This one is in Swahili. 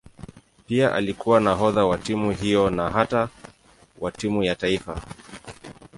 Pia alikuwa nahodha wa timu hiyo na hata wa timu ya taifa.